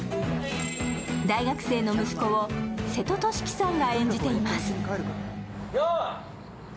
大学生の息子を瀬戸利樹さんが演じています。